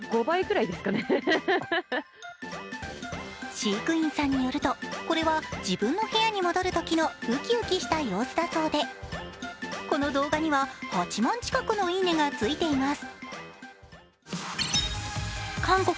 飼育員さんによると、これは自分の部屋に戻るときのウキウキした様子だそうで、この動画には８万近くのいいねがついています。